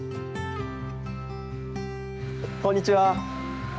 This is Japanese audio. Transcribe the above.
こんにちは。